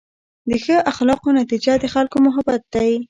د ښه اخلاقو نتیجه د خلکو محبت دی.